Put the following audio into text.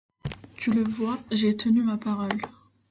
Tu le vois, j’ai tenu ma parole.